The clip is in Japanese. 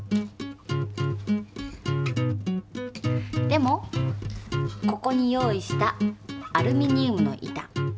でもここに用意したアルミニウムの板。